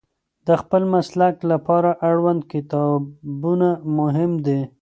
د خپل مسلک لپاره اړوند کتابونه مهم دي.